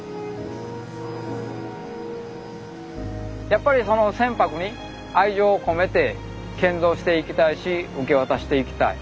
やっぱりその船舶に愛情を込めて建造していきたいし受け渡していきたい。